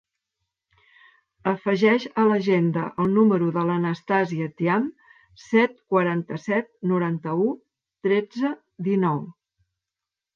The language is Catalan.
Afegeix a l'agenda el número de l'Anastàsia Thiam: set, quaranta-set, noranta-u, tretze, dinou.